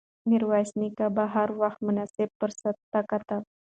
میرویس نیکه به هر وخت مناسب فرصت ته کتل.